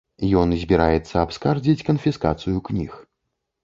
Ён збіраецца абскардзіць канфіскацыю кніг.